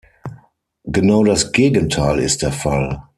Genau das Gegenteil ist der Fall.